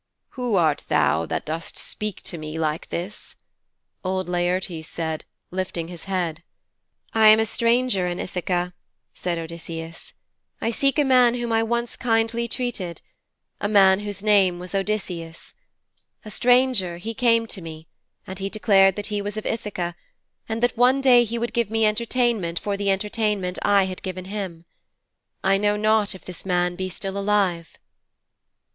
'Who art thou that dost speak to me like this?' old Laertes said, lifting his head. 'I am a stranger in Ithaka,' said Odysseus. 'I seek a man whom I once kindly treated a man whose name was Odysseus. A stranger, he came to me, and he declared that he was of Ithaka, and that one day he would give me entertainment for the entertainment I had given him. I know not if this man be still alive.'